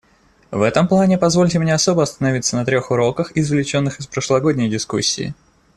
В этом плане позвольте мне особо остановиться на трех уроках, извлеченных из прошлогодней дискуссии.